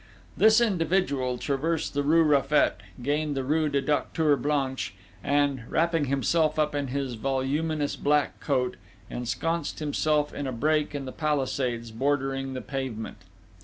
This individual traversed the rue Raffet, gained the rue du Docteur Blanche, and, wrapping himself up in his voluminous black cloak, ensconced himself in a break in the palisades bordering the pavement.